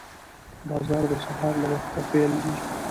بازار د سهار له وخته فعال وي